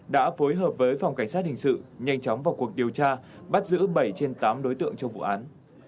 đã phối hợp với phòng cảnh sát hình sự nhanh chóng vào cuộc điều tra bắt giữ bảy trên tám đối tượng trong vụ án